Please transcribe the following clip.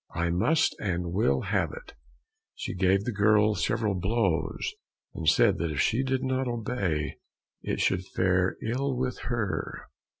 I must and will have it!" She gave the girl several blows, and said that if she did not obey, it should fare ill with her.